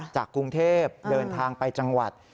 จากกรุงเทพเดินทางไปจังหวัด